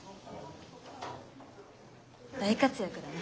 大活躍だね。